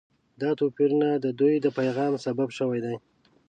دا توپیرونه د دوی د پیغام سبب شوي دي.